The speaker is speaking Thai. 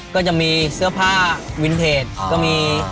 ก็จะมีเสื้อผ้าวินเทจก็มี